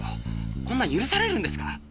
こんなこと許されるんですか